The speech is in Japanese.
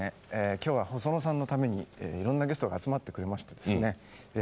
今日は細野さんのためにいろんなゲストが集まってくれましてですねえ